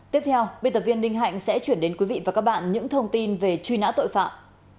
tiếp theo biên tập viên ninh hạnh sẽ chuyển đến quý vị và các bạn những thông tin về truy nã tội phạm